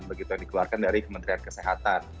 begitu yang dikeluarkan dari kementerian kesehatan